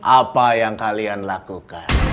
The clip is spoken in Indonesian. apa yang kalian lakukan